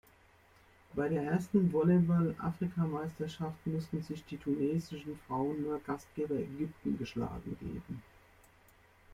Bei der ersten Volleyball-Afrikameisterschaft mussten sich die tunesischen Frauen nur Gastgeber Ägypten geschlagen geben.